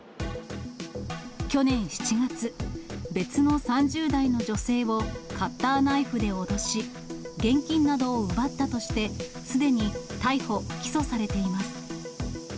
去年７月、別の３０代の女性をカッターナイフで脅し、現金などを奪ったとして、すでに逮捕・起訴されています。